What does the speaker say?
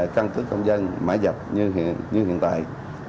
cân cước công dân mã dạch như hiện tại